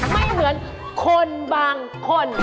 ไม่เหมือนคนบางคน